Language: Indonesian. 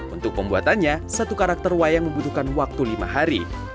untuk pembuatannya satu karakter wayang membutuhkan waktu lima hari